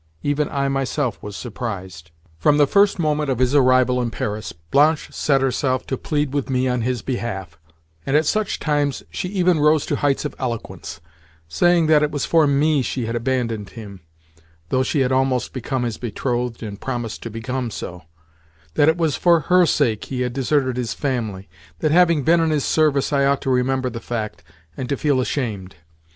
Even I myself was surprised. From the first moment of his arrival in Paris, Blanche set herself to plead with me on his behalf; and at such times she even rose to heights of eloquence—saying that it was for me she had abandoned him, though she had almost become his betrothed and promised to become so; that it was for her sake he had deserted his family; that, having been in his service, I ought to remember the fact, and to feel ashamed.